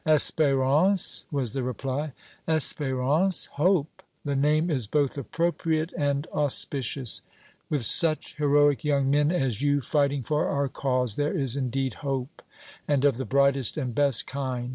"Espérance," was the reply. "Espérance hope the name is both appropriate and auspicious; with such heroic young men as you fighting for our cause there is, indeed, hope, and of the brightest and best kind!"